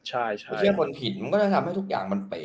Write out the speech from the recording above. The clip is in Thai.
ใช่ไม่ใช่คนผิดมันก็จะทำให้ทุกอย่างมันเป๋